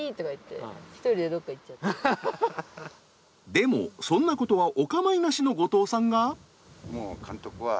でもそんなことはお構いなしの後藤さんが。